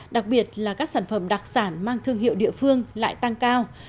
đặc biệt là các sản phẩm đặc sản mang thương hiệu địa phương lại tăng cao